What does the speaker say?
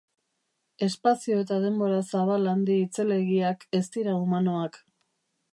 Espazio eta denbora zabal-handi itzelegiak ez dira humanoak.